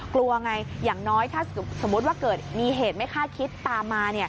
กลัวไงอย่างน้อยถ้าสมมุติว่าเกิดมีเหตุไม่คาดคิดตามมา